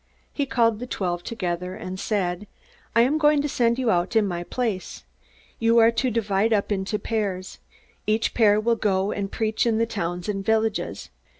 He called the twelve together, and said: "I am going to send you out in my place. You are to divide up into pairs. Each pair will go and preach in the towns and villages.